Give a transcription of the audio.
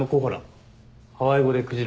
ハワイ語でクジラでしょ？